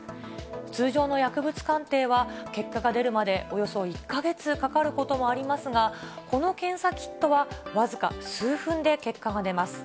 通常の薬物鑑定は、結果が出るまでおよそ１か月かかることもありますが、この検査キットは、僅か数分で結果が出ます。